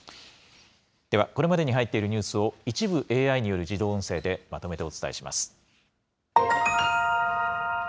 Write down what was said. では、これまでに入っているニュースを、一部ＡＩによる自動音声でまとめてお伝えします。